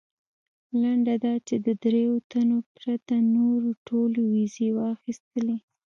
لنډه دا چې د درېیو تنو پرته نورو ټولو ویزې واخیستلې.